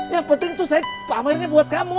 yang penting itu saya pamernya buat kamu